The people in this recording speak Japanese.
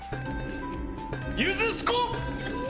ゆずすこ！